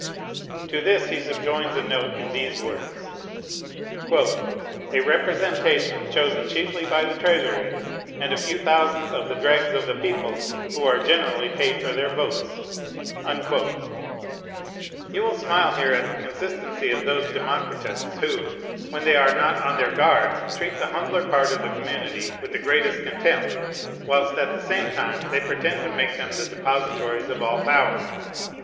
To this he subjoins a note in these words: "A representation chosen chiefly by the Treasury, and a few thousands of the dregs of the people, who are generally paid for their votes." You will smile here at the consistency of those democratists who, when they are not on their guard, treat the humbler part of the community with the greatest contempt, whilst, at the same time, they pretend to make them the depositories of all power.